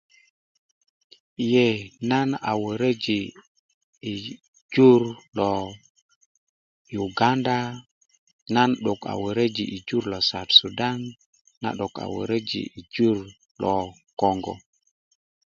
iye nan a woroji i jur lo yuganda nan 'dok a woroji' i jur lo saut sudan nan 'dok a woroji i jur lo kongo